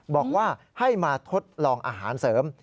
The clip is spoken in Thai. บอกว่าให้มาทดลองอาหารเสริม